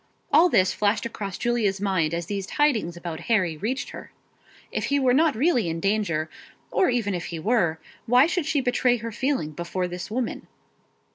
All this flashed across Julia's mind as these tidings about Harry reached her. If he were not really in danger, or even if he were, why should she betray her feeling before this woman?